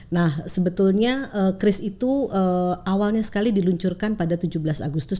nah sebetulnya kris itu awalnya sekali diluncurkan pada tujuh belas agustus dua ribu sembilan belas